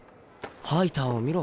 ハイターを見ろ